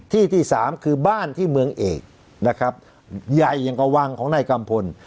ที่ที่สามคือบ้านที่เมืองเอกนะครับใหญ่อย่างกว่าวังของนายกัมพล